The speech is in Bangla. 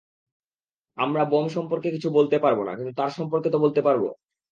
আমরা বোম সম্পর্কে কিছু বলতে পারব না কিন্তু তার সম্পর্কে তো বলতে পারব।